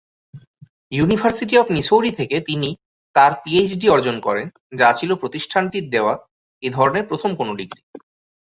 University of Missouri থেকে তিনি তার পিএইচডি অর্জন করেন যা ছিল প্রতিষ্ঠানটির দেওয়া এধরনের প্রথম কোন ডিগ্রি।